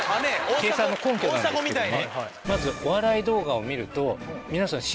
計算の根拠なんですけどまずお笑い動画を見ると皆さん幸せな気分になって